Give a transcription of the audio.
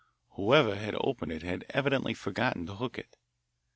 Whoever had opened it had evidently forgotten to hook it.